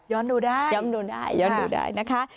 ย้อนดูได้ย้อนดูได้นะคะ